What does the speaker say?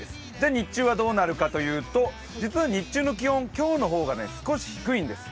日中はどうなるかというと、日中の気温、今日の方が少し低いんです。